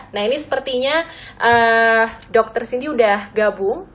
nah ini sepertinya dr sindiawati sudah gabung